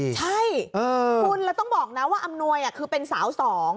ใช่คุณแล้วต้องบอกนะว่าอำนวยคือเป็นสาวสอง